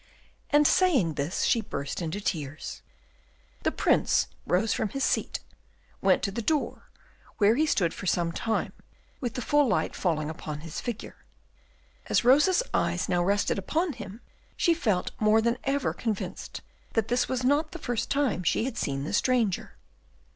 And saying this she burst into tears. The Prince rose from his seat, went to the door, where he stood for some time with the full light falling upon his figure. As Rosa's eyes now rested upon him, she felt more than ever convinced that this was not the first time she had seen the stranger.